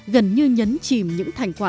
gần như nhấn chìm những thành quả